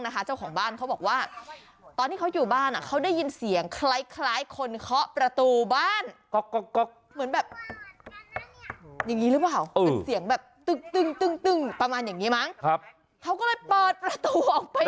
เขาก็เลยเปิดประตูออกไปดู